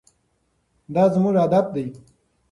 دا زموږ هدف دی.